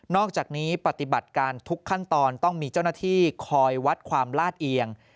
อกจากนี้ปฏิบัติการทุกขั้นตอนต้องมีเจ้าหน้าที่คอยวัดความลาดเอียง